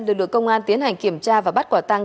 lực lượng công an tiến hành kiểm tra và bắt quả tăng